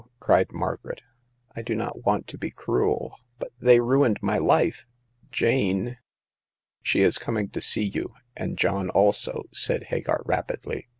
" cried Margaret. I do not want to be cruel, but they ruined my life. Jane "She is coming to see you ; and John also," said Hagar, rapidly.